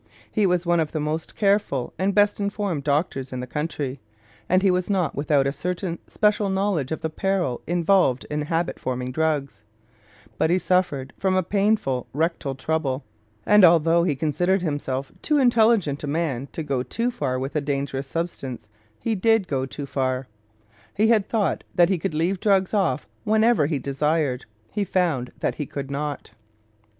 He was one of the most careful and best informed doctors in the country, and he was not without a certain special knowledge of the peril involved in habit forming drugs; but he suffered from a painful rectal trouble, and although he considered himself too intelligent a man to go too far with a dangerous substance, he did go too far. He had thought that he could leave drugs off whenever he desired; he found that he could not.